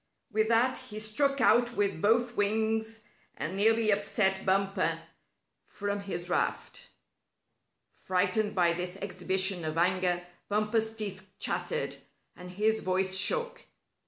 With that he struck out with both wings, and nearly upset Bumper from his raft. Frightened by this exhibition of anger, Bumper's teeth chattered, and his voice shook.